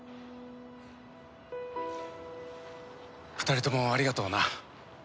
２人ともありがとうな。